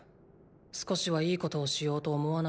少しはいいことをしようと思わないのか？